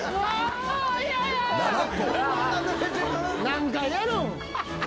何回やるん？